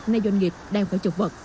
nay doanh nghiệp đang phải chọc vật